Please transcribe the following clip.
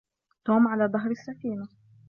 توم على ظهر السفينة.